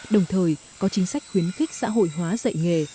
đồng thời có chính sách khuyến khích xã hội hóa dạy nghề